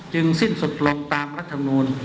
สิ้นสุดลงตามรัฐมนูล